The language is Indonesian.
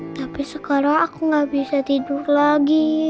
tapi sekarang aku nggak bisa tidur lagi